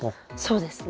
そうですね。